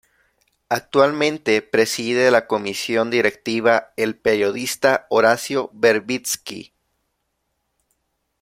Actualmente preside la comisión directiva el periodista Horacio Verbitsky.